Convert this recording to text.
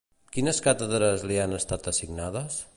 Quines càtedres li han estat assignades?